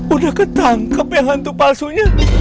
udah ketangkep ya hantu palsunya